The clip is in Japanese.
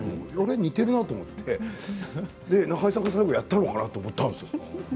似ているなと思って中井さんが最後やったのかなと思ったんです。